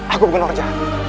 aku bukan orja